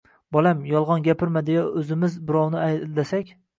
“Bolam, yolg‘on gapirma”, deya o‘zimiz birovni aldasak